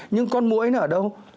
nhưng con bụi nó ở đâu